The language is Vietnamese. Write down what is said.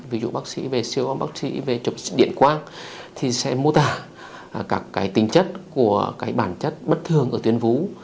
ví dụ bác sĩ về siêu âm bác sĩ về chụp điện quang thì sẽ mô tả các cái tính chất của cái bản chất bất thường ở tuyến vú